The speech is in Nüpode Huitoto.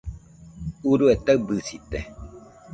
Urue taɨbɨsite